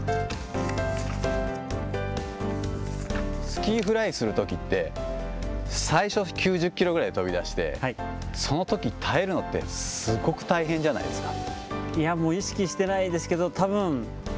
スキーフライするときって、最初９０キロくらいで飛び出して、そのとき耐えるのってすごく大変じゃないですか。